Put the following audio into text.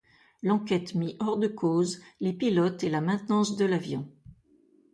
L'enquête mit hors de cause les pilotes et la maintenance de l'avion.